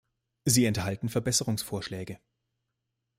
Sie enthalten Verbesserungsvorschläge.